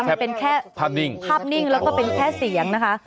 มันเป็นแค่ภาพนิ่งแล้วก็เป็นแค่เสียงนะคะ